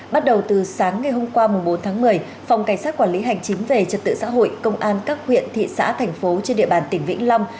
bắt đầu từ sáng ngày hôm qua bốn tháng một mươi phòng cảnh sát quản lý hành chính về trật tự xã hội công an các huyện thị xã thành phố trên địa bàn tỉnh vĩnh long